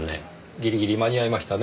ギリギリ間に合いましたね。